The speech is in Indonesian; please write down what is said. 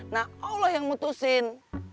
nah allah yang mutusin